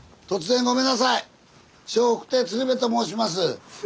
笑福亭鶴瓶と申します。